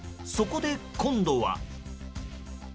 そこで、今度は。